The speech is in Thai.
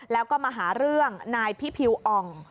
แล้วก็มาหาเรื่องนายพิพิวอ่อง